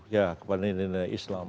ya kepada nilai nilai islam